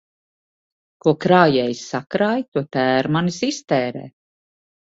Ko krājējs sakrāj, to tērmanis iztērē.